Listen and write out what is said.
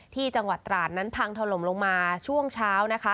ที่จังหวัดตราดนั้นพังถล่มลงมาช่วงเช้านะคะ